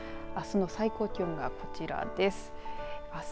あすの最高気温がこちらです。